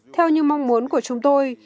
theo như mong muốn của chúng tôi